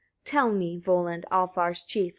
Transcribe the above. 30. "Tell me, Volund, Alfars' chief!